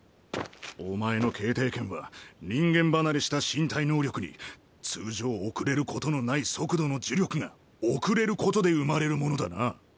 お前の「庭拳」は人間離れした身体能力に通常遅れることのない速度の呪力が遅れることで生まれるものだな。